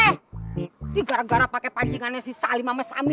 ini gara gara pake pancingannya si salim sama sami